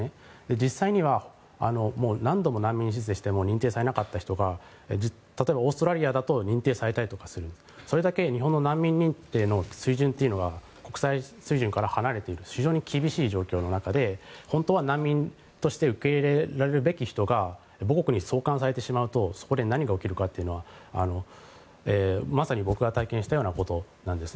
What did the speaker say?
実際は何度、難民申請しても認定されなかった人が例えばオーストラリアだと認定されたりするそれだけ日本の難民認定水準というのが国際水準から離れている非常に厳しい状況の中で本当は難民として受け入れられるべき人が母国に送還されてしまうとそこで何が起きるかまさに僕が体験したようなことなんです。